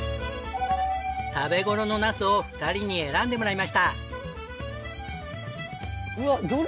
食べ頃のナスを２人に選んでもらいました。